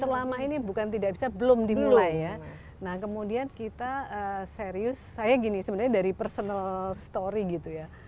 selama ini bukan tidak bisa belum dimulai ya nah kemudian kita serius saya gini sebenarnya dari personal story gitu ya